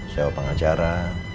sudah sewa pengacara